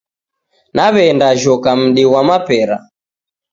Naw'eenda jhoka mdi ghwa mapera.